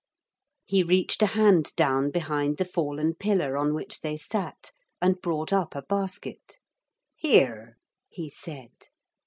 He reached a hand down behind the fallen pillar on which they sat and brought up a basket. 'Here,' he said.